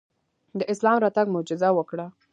د اسلام راتګ معجزه وکړه.